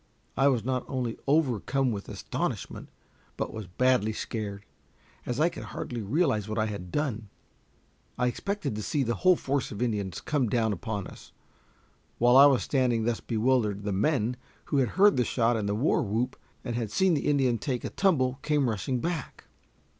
I was not only overcome with astonishment, but was badly scared, as I could hardly realize what I had done. I expected to see the whole force of Indians come down upon us. While I was standing thus bewildered, the men, who had heard the shot and the war whoop, and had seen the Indian take a tumble, came rushing back.